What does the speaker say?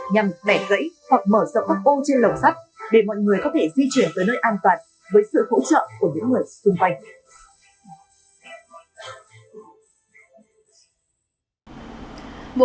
nhằm bẻ gãy hoặc mở rộng âm ô trên lồng sắt để mọi người có thể di chuyển tới nơi an toàn với sự hỗ trợ của những người xung quanh